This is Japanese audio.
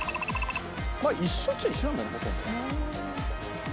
「まあ一緒っちゃ一緒なんだねほとんど」